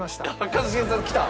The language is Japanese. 一茂さんきた！